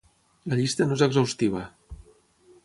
La llista no és exhaustiva.